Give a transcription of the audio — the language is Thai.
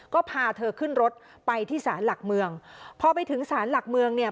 ก็พาเธอขึ้นรถไปที่สารหลักเมืองพอไปถึงศาลหลักเมืองเนี่ย